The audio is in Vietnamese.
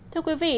thưa quý vị